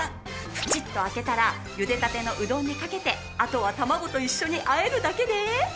プチッと開けたらゆでたてのうどんにかけてあとは卵と一緒にあえるだけで。